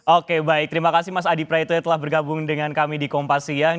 oke baik terima kasih mas adi praetno telah bergabung dengan kami di kompas siang